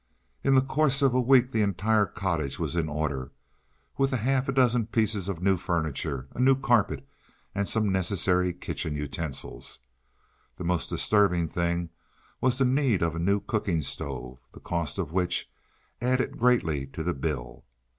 In the course of a week the entire cottage was in order, with a half dozen pieces of new furniture, a new carpet, and some necessary kitchen utensils. The most disturbing thing was the need of a new cooking stove, the cost of which added greatly to the bill.